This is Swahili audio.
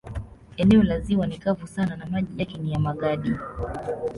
Eneo la ziwa ni kavu sana na maji yake ni ya magadi.